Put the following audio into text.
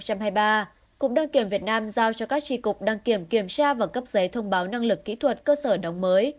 cục đăng kiểm việt nam giao cho các tri cục đăng kiểm kiểm tra và cấp giấy thông báo năng lực kỹ thuật cơ sở đóng mới